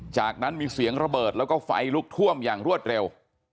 จากนั้นมีเสียงระเบิดแล้วก็ไฟลุกท่วมอย่างรวดเร็ว